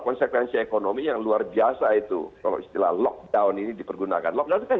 konsekuensi ekonomi yang luar biasa itu kalau istilah lockdown ini dipergunakan lockdown